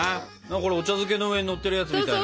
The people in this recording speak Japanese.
これお茶漬けの上にのってるやつみたいな。